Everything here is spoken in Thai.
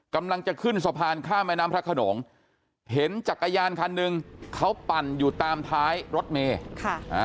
กำลังจะขึ้นสะพานข้ามแม่น้ำพระขนงเห็นจักรยานคันหนึ่งเขาปั่นอยู่ตามท้ายรถเมย์ค่ะอ่า